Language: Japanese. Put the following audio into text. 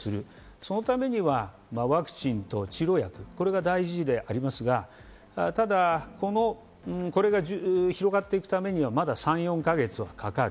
そのためにはワクチンと治療薬、これが大事でありますが、ただ、これが広がっていくためにはまだ３４か月かかる。